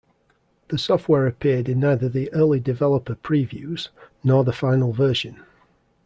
The software appeared in neither the early Developer Previews nor the final version.